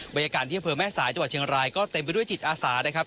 บรรยากาศที่อำเภอแม่สายจังหวัดเชียงรายก็เต็มไปด้วยจิตอาสานะครับ